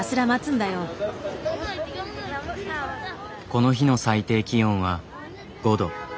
この日の最低気温は５度。